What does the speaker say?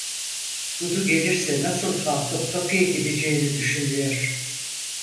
Dudu gelirse nasıl kalkıp kapıya gideceğini düşünüyor.